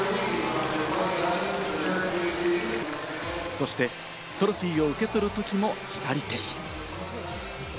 そして、トロフィーを受け取るときも左手。